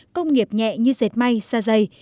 công nghiệp nhẹ như dệt may xa dày